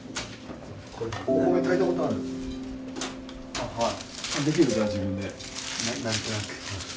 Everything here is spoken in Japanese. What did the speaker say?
あっはい。